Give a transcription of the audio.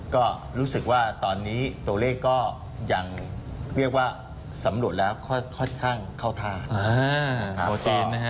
ก็รู้สึกตอนนี้ตัวเลขเรื่องสำรวจแล้วค่อนข้างเข้าทาง